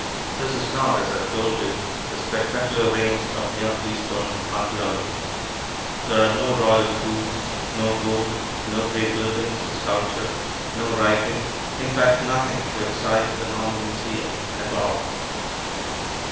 This is not, as I've told you, the spectacular range of Near Eastern archeology. There are no royal tombs, no gold, no great buildings or sculpture, no writing, in fact nothing to excite the normal museum at all.